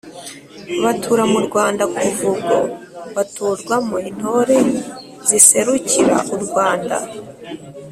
Batura mu Rwanda kuva ubwo Batorwamo intore ziserukira u Rwanda